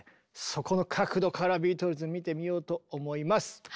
そこの角度からビートルズ見てみようと思います！